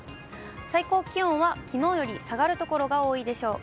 最高気温はきのうより下がる所が多いでしょう。